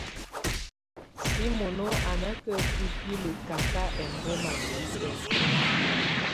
Simónó á ná ká bibilǝ káka ɛmbɔ́má niɔ́fɛna.